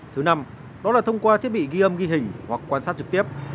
thứ năm đó là thông qua thiết bị ghi âm ghi hình hoặc quan sát trực tiếp